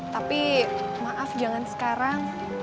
tapi maaf jangan sekarang